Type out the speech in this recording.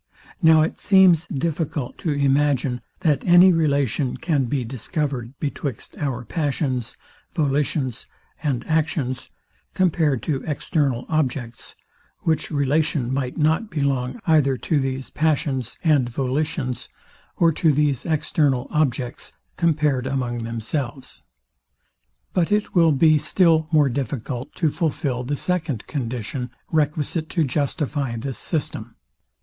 Now it seems difficult to imagine, that any relation can be discovered betwixt our passions, volitions and actions, compared to external objects, which relation might not belong either to these passions and volitions, or to these external objects, compared among themselves. But it will be still more difficult to fulfil the second condition, requisite to justify this system.